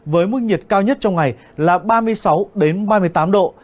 với mức nhiệt cao nhất trong ngày là ba mươi sáu ba mươi tám độ